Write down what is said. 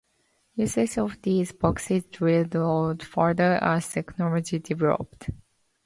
Usage of these boxes dwindled further as technology developed.